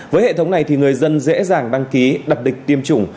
với hệ thống này thì người dân dễ dàng đăng ký đập địch tiêm chủng